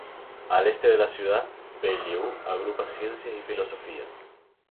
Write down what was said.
Al este de la ciudad, Beaulieu agrupa ciencias y filosofía.